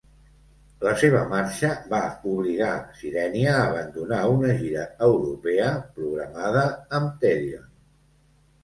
La seva marxa va obligar Sirenia a abandonar una gira europea programada amb Therion.